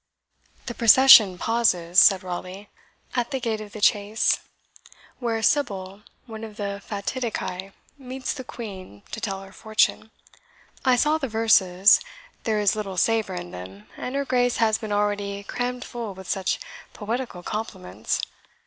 "The procession pauses," said Raleigh, "at the gate of the Chase, where a sibyl, one of the FATIDICAE, meets the Queen, to tell her fortune. I saw the verses; there is little savour in them, and her Grace has been already crammed full with such poetical compliments.